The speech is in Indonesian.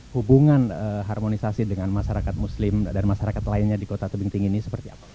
hubungan harmonisasi dengan masyarakat muslim dan masyarakat lainnya di kota tebingting ini seperti apa